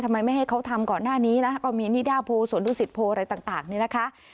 ไม่ให้เขาทำก่อนหน้านี้นะก็มีนิดาโพสวนดุสิตโพอะไรต่างนี่นะคะ